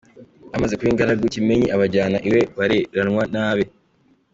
Bamaze kuba ingaragu, Kimenyi abajyana iwe bareranwa n’abe.